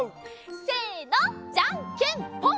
せのじゃんけんぽん！